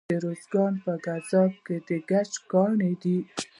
د ارزګان په ګیزاب کې د ګچ کانونه دي.